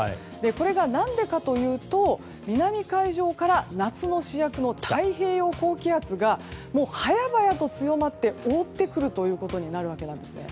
これが何でかというと南海上から夏の主役の太平洋高気圧が早々と強まって覆ってくることになるわけなんですね。